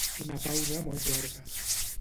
Una pausa molt llarga.